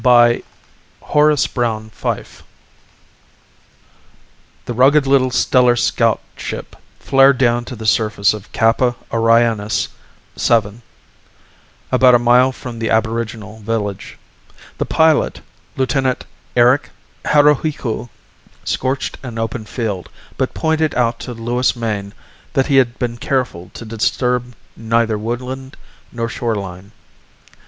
B. FYFE Illustrated by Van Dongen The rugged little stellar scout ship flared down to the surface of Kappa Orionis VII about a mile from the aboriginal village. The pilot, Lieutenant Eric Haruhiku, scorched an open field, but pointed out to Louis Mayne that he had been careful to disturb neither woodland nor shoreline.